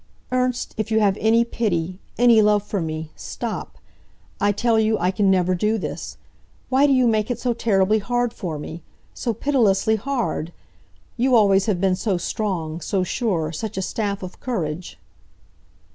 "Ernst, if you have any pity, any love for me, stop! I tell you I can never do this. Why do you make it so terribly hard for me! So pitilessly hard! You always have been so strong, so sure, such a staff of courage."